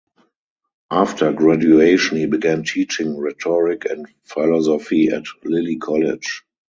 After graduation he began teaching rhetoric and philosophy at Lily College.